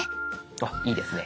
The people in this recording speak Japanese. あっいいですね。